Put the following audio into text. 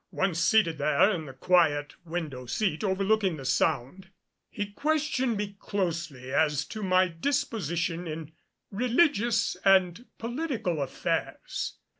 Once seated there in the quiet window seat overlooking the Sound, he questioned me closely as to my disposition in religious and political affairs.